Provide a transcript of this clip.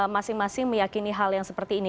masing masing meyakini hal yang seperti ini